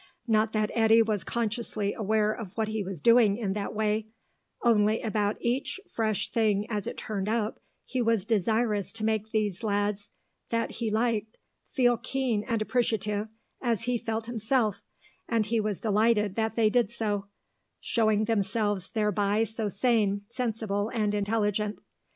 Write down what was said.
Not that Eddy was consciously aware of what he was doing in that way; only about each fresh thing as it turned up he was desirous to make these lads that he liked feel keen and appreciative, as he felt himself; and he was delighted that they did so, showing themselves thereby so sane, sensible, and intelligent.